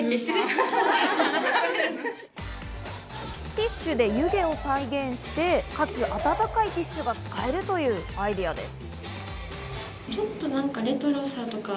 ティッシュで湯気を再現して、かつ温かいティッシュが使えるというアイデアです。